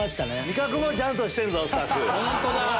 味覚もちゃんとしてるぞスタッフ。